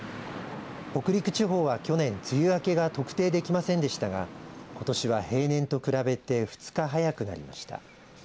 北陸地方は去年、梅雨明けが特定できませんでしたがことしは平年と比べて２日早くなりました。